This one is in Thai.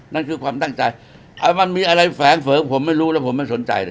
นั่นคือความตั้งใจมันมีอะไรแฝงเฝิงผมไม่รู้แล้วผมไม่สนใจนะ